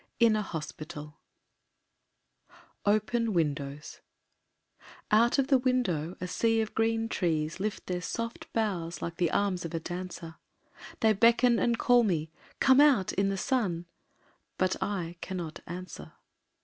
In a Hospital IV Open Windows Out of the window a sea of green trees Lift their soft boughs like the arms of a dancer, They beckon and call me, "Come out in the sun!" But I cannot answer.